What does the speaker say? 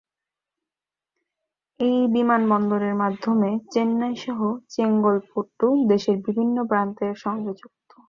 এই বিমান বন্দরের মাধ্যমে চেন্নাই সহ চেঙ্গলপট্টু দেশের বিভিন্ন প্রান্তের সঙ্গে যুক্ত।